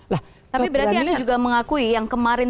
tapi berarti anda juga mengakui yang kemarin